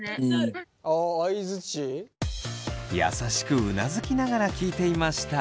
優しくうなずきながら聞いていました。